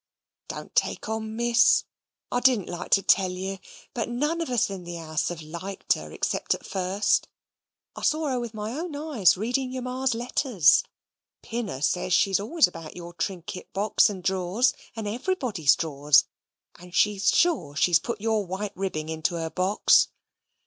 "Don't take on, Miss. I didn't like to tell you. But none of us in the house have liked her except at fust. I sor her with my own eyes reading your Ma's letters. Pinner says she's always about your trinket box and drawers, and everybody's drawers, and she's sure she's put your white ribbing into her box."